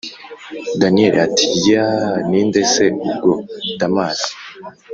daniel ati: yeeeh! ninde se ubwo damas!’